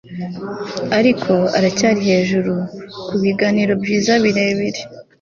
ariko aracyari hejuru kubiganiro byiza birebire